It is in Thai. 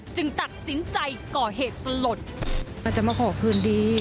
ตัดสินใจก่อเหตุสลดแต่จะมาขอคืนดี